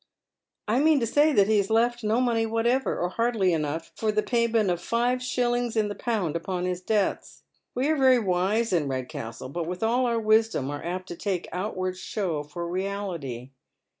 " I mean to say that lie has left no money whatever — or hardly enough for the payment of five shillings in the pound upon hig debts. We are very wise in Redcastle, but with all our wisdom are apt to take outward show for reality.